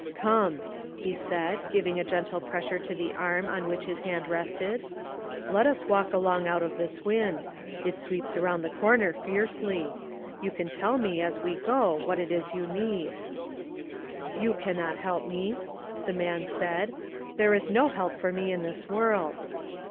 " Come," he said, giving a gentle pressure to the arm on which his hand rested, "let us walk along out of this wind ; it sweeps around the corner fiercely. You can tell me, as we go, what it is you need." You can not help me," the man said ;" there is no help for me in this world."